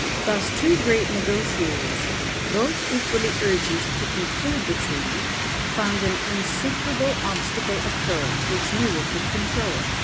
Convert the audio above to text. Thus two great negotiators, both equally urgent to conclude the treaty, found an insuperable obstacle occur, which neither could control.